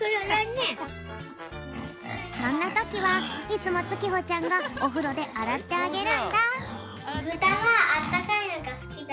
そんなときはいつもつきほちゃんがおふろであらってあげるんだ。